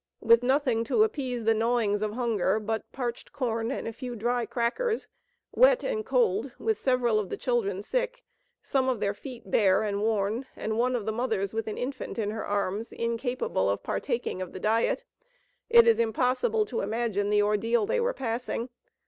With nothing to appease the gnawings of hunger but parched corn and a few dry crackers, wet and cold, with several of the children sick, some of their feet bare and worn, and one of the mothers with an infant in her arms, incapable of partaking of the diet, it is impossible to imagine the ordeal they were passing.